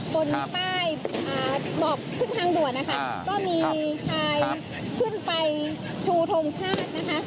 บนป้ายบอกขึ้นทางด่วนนะคะก็มีชายขึ้นไปชูทงชาตินะคะ